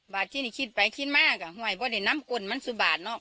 บาทที่นี่คิดไปคิดมากอ่ะไหว้พวกนี้น้ำกลมันสุบาทเนอะ